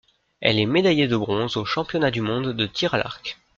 Elle est médaillée de bronze aux championnats du monde de tir à l'arc.